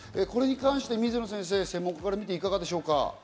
これに関して水野先生、専門家から見ていかがですか？